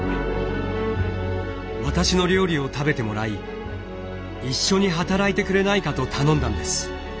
私の料理を食べてもらい一緒に働いてくれないかと頼んだんです。